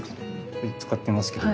これ使ってますけど。